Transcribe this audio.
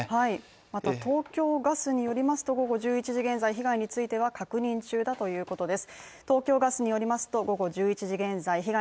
また東京ガスによりますと午後１１時現在被害については確認中だということです。